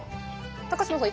高島さん